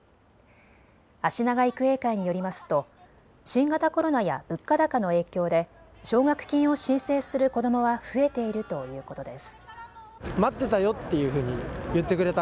あしなが育英会によりますと新型コロナや物価高の影響で奨学金を申請する子どもは増えているということです。